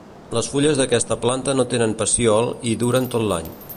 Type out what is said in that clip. Les fulles d'aquesta planta no tenen pecíol i duren tot l'any.